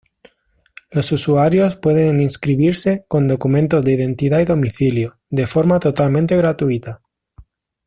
Los usuarios pueden inscribirse con documentos de identidad y domicilio, en forma totalmente gratuita.